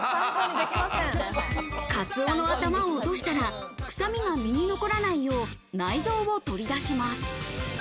カツオの頭を落としたら臭みが身に残らないよう内臓を取り出します。